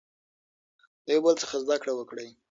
له یو بل څخه زده کړه وکړئ.